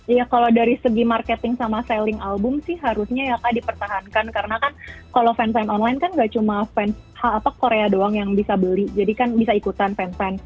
iya kalau dari segi marketing sama selling album sih harusnya ya kak dipertahankan karena kan kalau fansime online kan nggak cuma korea doang yang bisa beli jadi kan bisa ikutan fansign